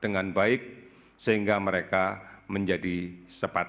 jangan pada saatengek simpan chord ng vincent perubahan